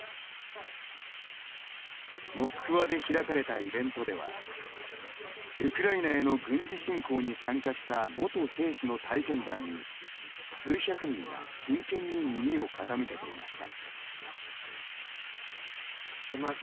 モスクワで開かれたイベントではウクライナへの軍事侵攻に参加した元兵士の体験談に数百人が真剣に耳を傾けていました。